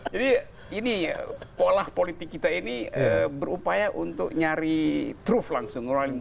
jadi pola politik kita ini berupaya untuk nyari truth langsung